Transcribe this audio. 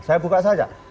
saya buka saja